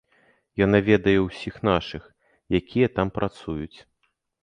Яна ведае ўсіх нашых, якія там працуюць.